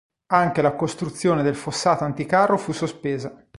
Anche la costruzione del fossato anticarro fu sospesa.